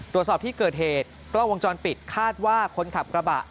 ตรวจสอบที่เกิดเหตุกล้องวงจรปิดคาดว่าคนขับกระบะ